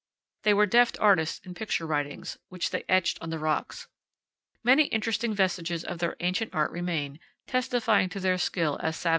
They were deft artists in picture writings, which they etched on the rocks. Many interesting vestiges of their ancient art remain, testifying to their skill as savage 25 powell canyons 7.